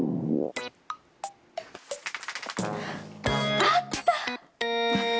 あった！